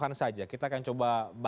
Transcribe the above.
yang senang upang di youtube